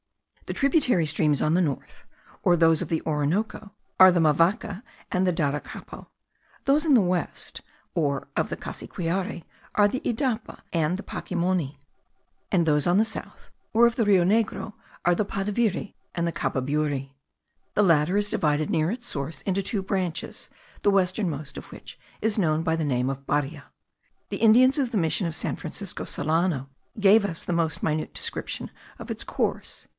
The tributary streams on the north, or those of the Orinoco, are the Mavaca and the Daracapo; those on the west, or of the Cassiquiare, are the Idapa and the Pacimoni; and those on the south, or of the Rio Negro, are the Padaviri and the Cababuri. The latter is divided near its source into two branches, the westernmost of which is known by the name of Baria. The Indians of the mission of San Francisco Solano gave us the most minute description of its course.